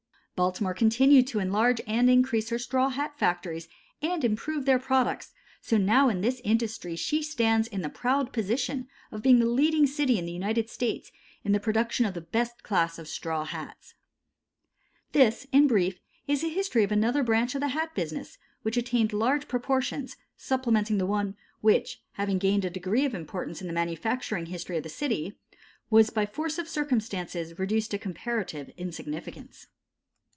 Baltimore continued to enlarge and increase her straw hat factories and improve their products, so that now in this industry she stands in the proud position of being the leading city in the United States in the production of the best class of straw hats. This, in brief, is a history of another branch of the hat business, which attained large proportions, supplementing the one which, having gained a degree of importance in the manufacturing history of the city, was by force of circumstances reduced to comparative insignificance.